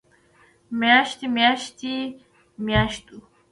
مياشت، مياشتې، مياشتو